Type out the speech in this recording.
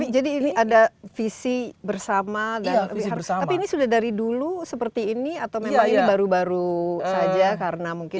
jadi ini ada visi bersama tapi ini sudah dari dulu seperti ini atau baru baru saja